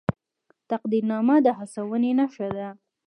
تقدیرنامه د هڅونې نښه ده